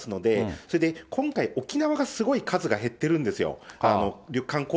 それで今回、沖縄がすごい数が減ってるんですよ、沖縄ね。